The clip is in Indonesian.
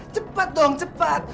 cepat dong cepat